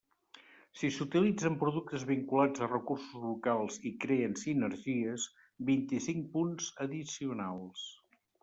Si s'utilitzen productes vinculats a recursos locals i creen sinergies, vint-i-cinc punts addicionals.